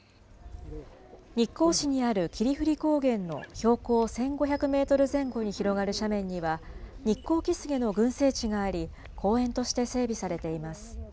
日光市にある霧降高原の標高１５００メートル前後に広がる斜面には、ニッコウキスゲの群生地があり、公園として整備されています。